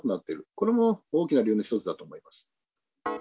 これも大きな理由の一つだと思います。